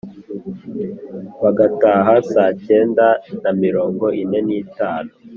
bagataha saa kenda na mirongo ine n’itanu.